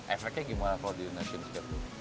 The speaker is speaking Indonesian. efeknya gimana kalau dinyatakan di skatepark